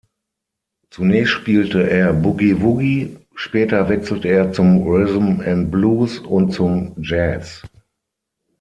Zunächst spielte er Boogie-Woogie, später wechselte er zum Rhythm and Blues und zum Jazz.